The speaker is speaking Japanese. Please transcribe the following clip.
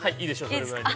それぐらいで。